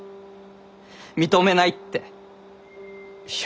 認めないって。